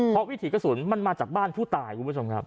เพราะวิถีกระสุนมันมาจากบ้านผู้ตายคุณผู้ชมครับ